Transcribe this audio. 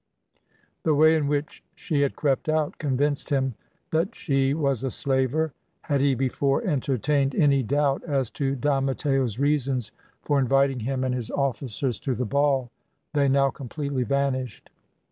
The way in which she had crept out convinced him that she was a slaver; had he before entertained any doubt as to Don Matteo's reasons for inviting him and his officers to the ball, they now completely vanished.